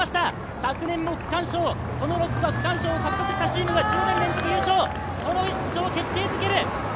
昨年の区間賞、この６区は獲得したチームが１０年連続優勝、それを決定づける